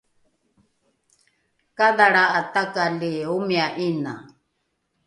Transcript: kadhalra’a takali omia ’ina